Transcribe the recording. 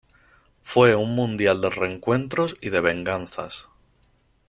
Fue un Mundial de reencuentros y de venganzas.